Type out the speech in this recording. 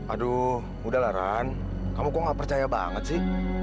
aduh udah lah ran kamu kok ga percaya banget sih